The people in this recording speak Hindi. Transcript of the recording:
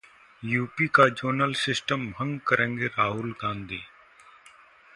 यूपी का जोनल सिस्टम भंग करेंगे राहुल गांधी